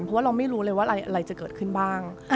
เพราะว่าเราไม่รู้เลยว่าอะไรจะเกิดขึ้นบ้าง